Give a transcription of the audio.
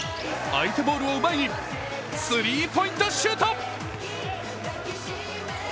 相手ボールを奪い、スリーポイントシュート。